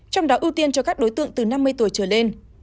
trong đó ưu tiên cho các đối tượng từ năm mươi tuổi trở lên